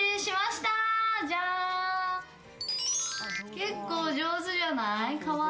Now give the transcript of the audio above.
結構上手じゃない？